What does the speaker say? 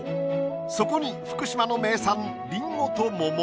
そこに福島の名産りんごと桃。